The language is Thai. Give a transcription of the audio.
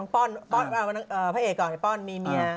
พระเอกก่อนไอ้ป้อนมีเมีย